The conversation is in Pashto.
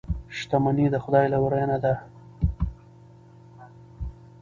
شتمني د خدای لورینه ده.